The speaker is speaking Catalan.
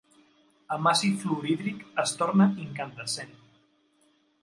Amb àcid fluorhídric es torna incandescent.